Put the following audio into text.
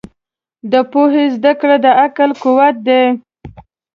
د پوهې زده کړه د عقل قوت دی.